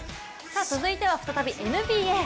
続いては再びＮＢＡ。